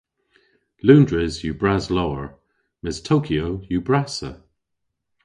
Loundres yw bras lowr mes Tokyo yw brassa!